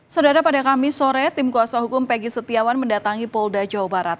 saudara pada kamis sore tim kuasa hukum peggy setiawan mendatangi polda jawa barat